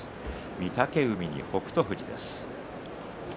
御嶽海に北勝富士です。